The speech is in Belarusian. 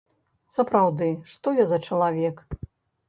Сапраўды, што я за чалавек!